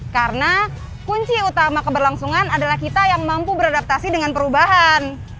karena kunci utama keberlangsungan adalah kita yang mampu beradaptasi dengan perubahan